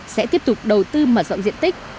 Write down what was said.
sẽ tiếp tục đầu tư mở rộng diện tích